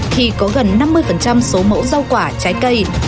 khi có gần năm mươi số mẫu rau quả trái cây